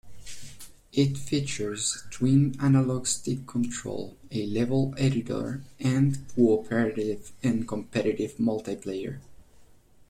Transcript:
It features twin analogue stick control, a level editor and co-operative and competitive multiplayer.